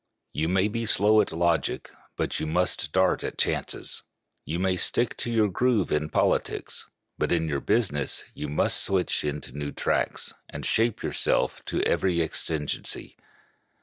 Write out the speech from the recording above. You may be slow at logic, but you must dart at chances. You may stick to your groove in politics, but in your business you must switch into new tracks, and shape yourself to every exigency.